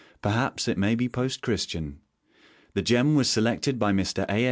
Perhaps it may be post Christian. The gem was selected by Mr. A.